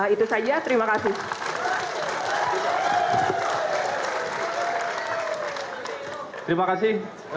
itu saja terima kasih